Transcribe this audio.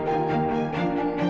rina buat lo